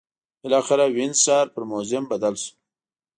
بالاخره وینز ښار پر موزیم بدل شو.